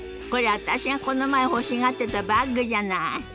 これ私がこの前欲しがってたバッグじゃない。